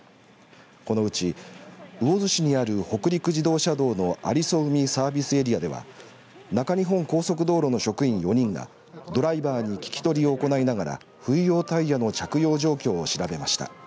このうち、魚津市にある北陸自動車道の有磯海サービスエリアでは中日本高速道路の職員４人がドライバーに聞き取りを行いながら冬用タイヤの着用状況を調べました。